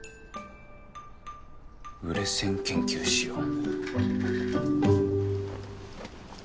売れ線研究しよう。